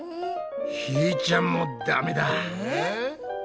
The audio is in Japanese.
ひーちゃんもダメだ。